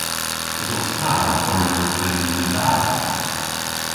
Esos ta ow kwari erbynn Nadal?